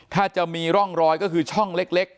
ถ้าจะมีร่องรอยก็คือช่องเล็ก